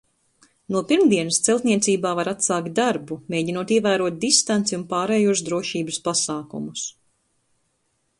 No pirmdienas celtniecībā var atsākt darbu, mēģinot ievērot distanci un pārējos drošības pasākumus.